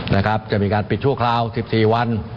นะครับจะมีการปิดชั่วคราว๑๔วัน